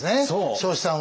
彰子さんは。